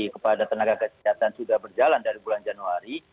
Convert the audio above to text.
kepada tenaga kesehatan sudah berjalan dari bulan januari